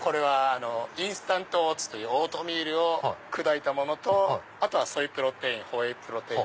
インスタントオーツというオートミールを砕いたものとソイプロテインホエイプロテイン